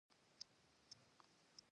د لومړۍ درجې تقدیرنامې اخیستل مرسته کوي.